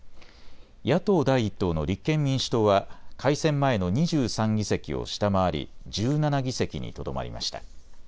野党第１党の立憲民主党は改選前の２３議席を下回り１７議席にとどまりました。